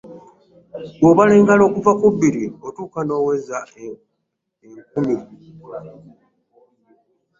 Bwobala engalo okuva ku bbiri otuuka n'oweza ekkumi .